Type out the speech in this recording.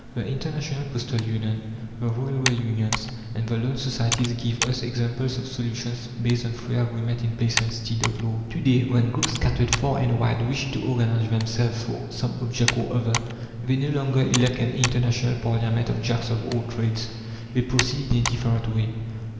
The International Postal Union, the railway unions, and the learned societies give us examples of solutions based on free agreement in place and stead of law. To day, when groups scattered far and wide wish to organize themselves for some object or other, they no longer elect an international parliament of Jacks of all trades. They proceed in a different way.